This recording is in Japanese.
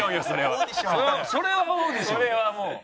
それはオーディションや。